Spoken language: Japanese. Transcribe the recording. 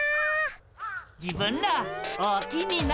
自分らおおきにな。